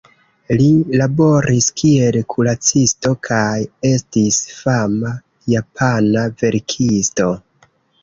Li laboris kiel kuracisto kaj estis fama japana verkisto.